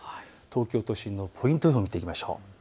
東京都心のポイント予報を見ていきましょう。